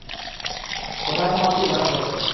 কোথায় তোমার সেই ভারতবর্ষ?